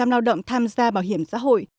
lao động tham gia bảo hiểm xã hội